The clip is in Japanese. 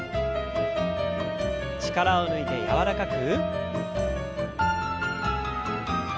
力を抜いて柔らかく。